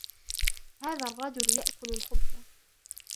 هذا الرجل يأكل الخبز.